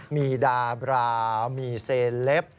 มีดารามีเซลป์